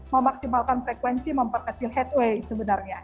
memaksimalkan frekuensi memperkecil headway sebenarnya